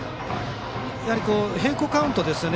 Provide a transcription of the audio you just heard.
やはり並行カウントですよね。